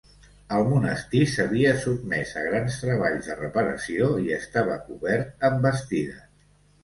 El monestir s'havia sotmès a grans treballs de reparació i estava cobert amb bastides.